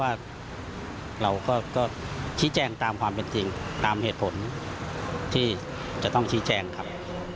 ว่าเราก็ชี้แจงตามความเป็นจริงตามเหตุผลที่จะต้องชี้แจงครับ